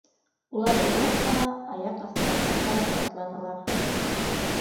Улар оҙаҡ ҡына аяҡ аҫтарына ҡарап атланылар